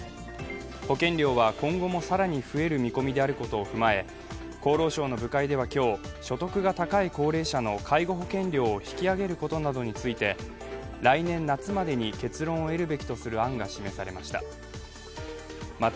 保険料は今後も更に増える見込みであることを踏まえ厚労省の部会では今日、所得が高い高齢者の介護保険料を引き上げることなどについて来年夏までに結論を得るべきとする案が示されました。